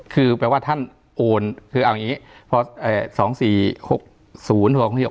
คือแปลว่าท่านโอนคือเอาอย่างนี้